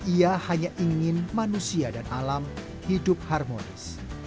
ia hanya ingin manusia dan alam hidup harmonis